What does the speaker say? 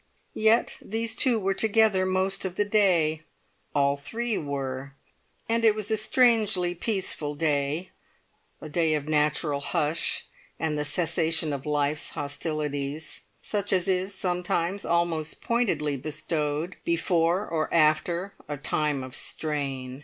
Yet these two were together most of the day; all three were; and it was a strangely peaceful day, a day of natural hush, and the cessation of life's hostilities, such as is sometimes almost pointedly bestowed before or after a time of strain.